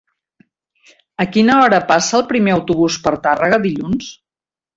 A quina hora passa el primer autobús per Tàrrega dilluns?